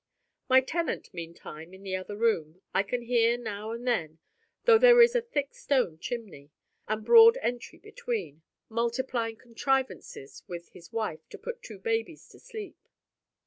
My tenant, meantime, in the other room, I can hear now and then though there is a thick stone chimney, and broad entry between multiplying contrivances with his wife to put two babies to sleep.